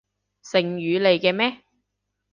成語嚟嘅咩？